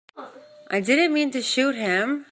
I didn't mean to shoot him.